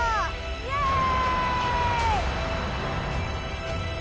イエーイ！